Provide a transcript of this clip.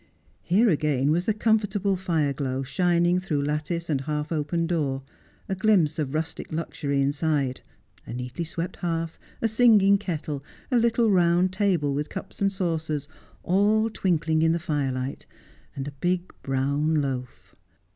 Here Every Dog Has His Day. 9 again was the comfortable fire glow shining through lattice and half open door, a glimpse of rustic luxury inside — a neatly swept hearth, a singing kettle, a little round table with cups and saucers, all twinkling in the firelight, and a big brown loaf.